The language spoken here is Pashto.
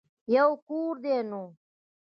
يو کور دی نو.